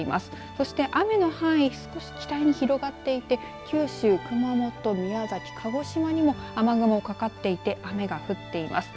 そして雨の範囲少し北に広がっていて九州、熊本、宮崎鹿児島にも雨雲がかかっていて雨が降っています。